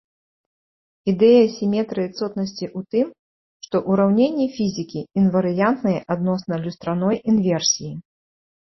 Ідэя сіметрыі цотнасці ў тым, што ўраўненні фізікі інварыянтныя адносна люстраной інверсіі.